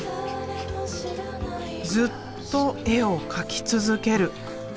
ずっと絵を描き続ける。